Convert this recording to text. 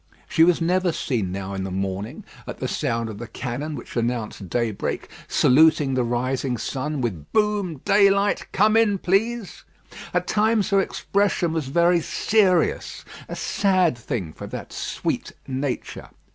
She was never seen now in the morning, at the sound of the cannon which announced daybreak, saluting the rising sun with "Boom! Daylight! Come in, please!" At times her expression was very serious, a sad thing for that sweet nature.